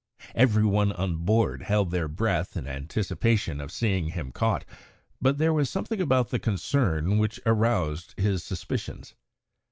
Every one on board held their breath in anticipation of seeing him caught, but there was something about the concern which aroused his suspicions.